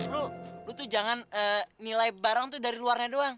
lu tuh jangan nilai barang tuh dari luarnya doang